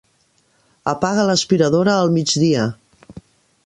Apaga l'aspiradora al migdia.